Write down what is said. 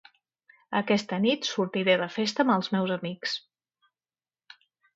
Aquesta nit sortiré de festa amb els meus amics.